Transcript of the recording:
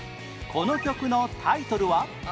この曲のタイトルは？